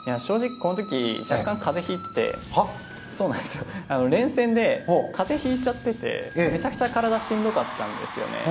この時若干風邪ひいていて連戦で、風邪をひいちゃっててめちゃくちゃ体がしんどかったんですよね。